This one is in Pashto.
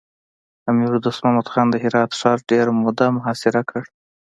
امیر دوست محمد خان د هرات ښار ډېره موده محاصره کړ.